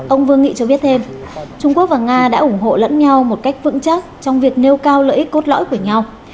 ông vương nghị cho biết thêm trung quốc và nga đã ủng hộ lẫn nhau một cách vững chắc trong việc nêu cao lợi ích cốt lõi của nhau